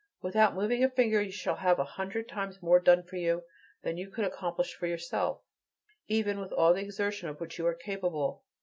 Without moving a finger you shall have a hundred times more done for you than you could accomplish for yourself, even with all the exertion of which you are capable.